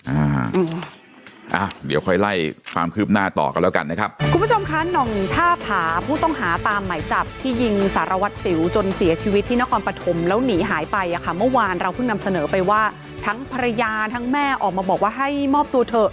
อ่าอ่าเดี๋ยวค่อยไล่ความคืบหน้าต่อกันแล้วกันนะครับ